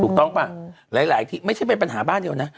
ป่ะหลายที่ไม่ใช่เป็นปัญหาบ้านเดียวนะ